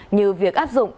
như việc áp dụng